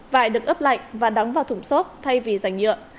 vải được ấp lạnh và đóng vào thủng xốp thay vì giành nhựa